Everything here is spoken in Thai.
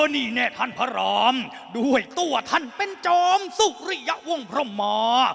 นี่แน่ท่านพระรามด้วยตัวท่านเป็นจอมสุริยะวงพรมมา